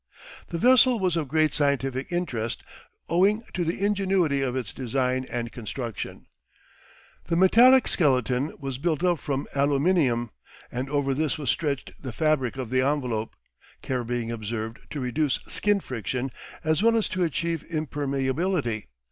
The vessel was of great scientific interest, owing to the ingenuity of its design and construction. The metallic skeleton was built up from aluminium and over this was stretched the fabric of the envelope, care being observed to reduce skin friction, as well as to achieve impermeability.